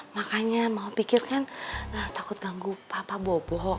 makanya mama pikir kan takut ganggu papa bobo